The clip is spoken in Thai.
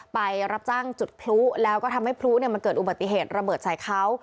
ไปรับจ้างจุดพลุแล้วก็ทำให้พลุมันเกิดอุบัติเหตุระเบิดใส่เขา